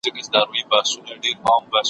ما په تور کي د مرغۍ ډلي لیدلې`